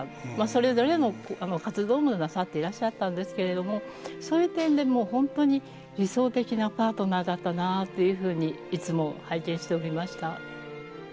それぞれの活動もなさっていらっしゃったんですけれどもそういう点でもう本当に理想的なパートナーだったなというふうにいつも拝見しておりました。